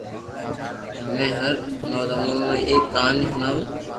ھمي ھو تمو نو ايڪ ڪھاني ھڻاووُ